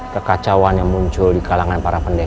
kekacauan yang muncul di kalangan para penderita